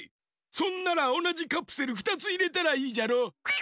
そんならおなじカプセル２ついれたらいいじゃろ！